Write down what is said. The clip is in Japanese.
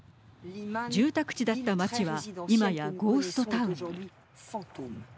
住宅地だった街は今やゴーストタウンに。